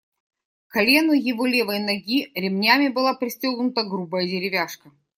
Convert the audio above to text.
К колену его левой ноги ремнями была пристегнута грубая деревяшка.